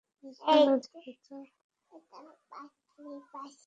Israel অধিকৃত পশ্চিম তীরে গতকাল বৃহস্পতিবার পৃথক ঘটনায় চার ফিলিস্তিনি নিহত হয়েছে।